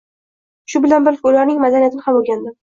Shu bilan birga, ularning madaniyatini ham oʻrgandim.